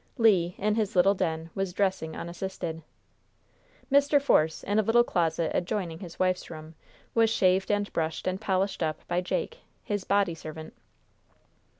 Le, in his little den, was dressing unassisted. Mr. Force, in a little closet adjoining his wife's room, was shaved and brushed and polished up by Jake, his "body servant."